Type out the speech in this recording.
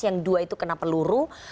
yang dua itu kena peluru